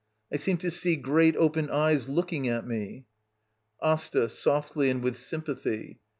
I seem to see great, open eyes looking at mel AsTA. [Softly and with sympathy.